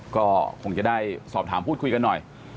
ก็คงจะได้สอบถามพูดคุยกันหน่อย